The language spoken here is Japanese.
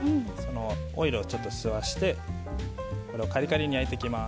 オイルを吸わせてカリカリに焼いていきます。